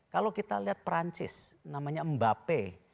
kalau kita lihat perancis namanya mbape